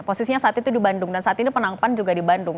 posisinya saat itu di bandung dan saat ini penangkapan juga di bandung